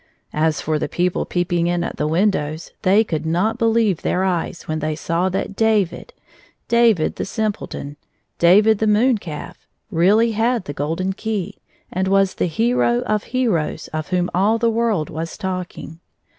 As for the people peeping in at the windows, they could not beheve their eyes when they saw that David — David the simpleton — David the moon calf — really had the golden key, and was the hero of heroes of whom all the world was talking.